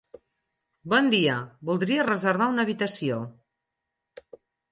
Bon dia, voldria reservar una habitació.